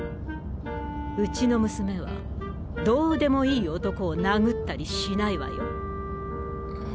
うちの娘はどうでもいい男を殴ったりしないわよ。